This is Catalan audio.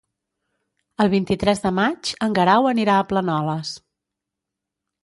El vint-i-tres de maig en Guerau anirà a Planoles.